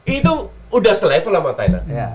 itu udah selevel sama thailand